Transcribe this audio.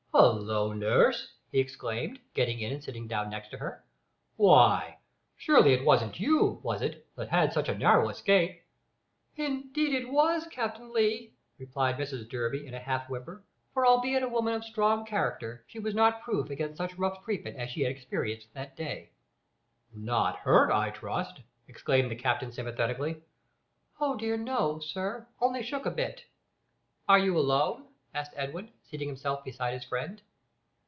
"Hallo! nurse," he exclaimed, getting in and sitting down opposite to her; "why, surely it wasn't you, was it, that had such a narrow escape?" "Indeed it was, Capting Lee," replied Mrs Durby in a half whimper, for albeit a woman of strong character, she was not proof against such rough treatment as she had experienced that day. "Not hurt, I trust?" asked the Captain sympathetically. "Oh dear no, sir; only shook a bit." "Are you alone?" asked Edwin, seating himself beside his friend.